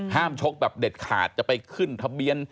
ชกแบบเด็ดขาดจะไปขึ้นทะเบียน